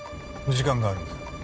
時間がありません